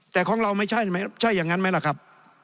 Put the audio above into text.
แต่ของเราไม่ใช่อย่างนั้นไหมล่ะครับ